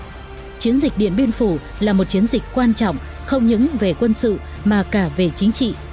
nói chiến dịch điện biên phủ là một chiến dịch quan trọng không những về quân sự mà cả về chính trị